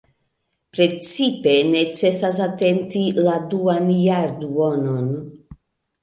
Precipe necesas atenti la duan jarduonon.